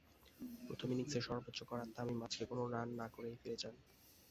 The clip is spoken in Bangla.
প্রথম ইনিংসে সর্বোচ্চ করা তামিম আজকে কোনো রান না করেই ফিরে যান।